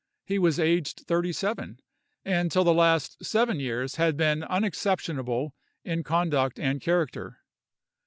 He was aged thirty seven, and till the last seven years had been unexceptionable in conduct and character.